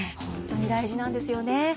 本当に大事なんですよね。